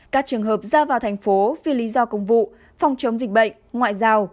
các trường hợp ra vào thành phố phi lý do công vụ phòng chống dịch bệnh ngoại giao